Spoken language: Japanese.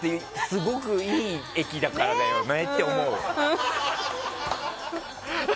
すごくいい駅だからねって思う。